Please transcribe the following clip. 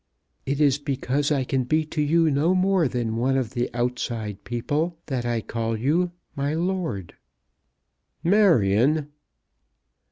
"It is because I can be to you no more than one of the outside people that I call you my lord." "Marion!"